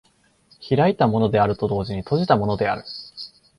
開いたものであると同時に閉じたものである。